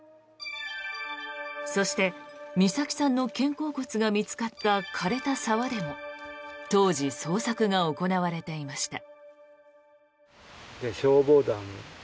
そして、美咲さんの肩甲骨が見つかった枯れた沢でも当時、捜索が行われていました。